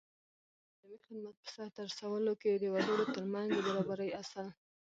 د نظامي خدمت په سرته رسولو کې د وګړو تر منځ د برابرۍ اصل